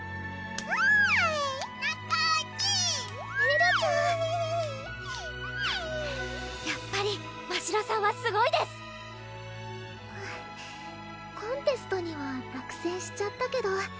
エルちゃんはいやっぱりましろさんはすごいですコンテストには落選しちゃったけど